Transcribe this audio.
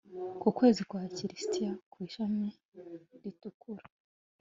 ku kwezi kwa kirisiti ku ishami ritukura